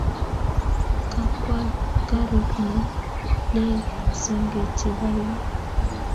Kakwal karit ne lel senge Chebaibai.